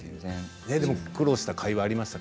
でも苦労したかいがありましたか？